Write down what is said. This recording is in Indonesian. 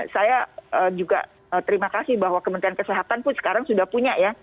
saya juga terima kasih bahwa kementerian kesehatan pun sekarang sudah punya ya